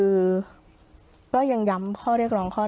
เพราะฉะนั้นทำไมถึงต้องทำภาพจำในโรงเรียนให้เหมือนกัน